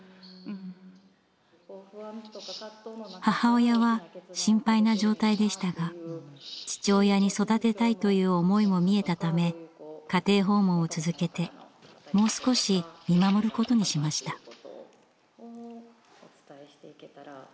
母親は心配な状態でしたが父親に育てたいという思いも見えたため家庭訪問を続けてもう少し見守ることにしました。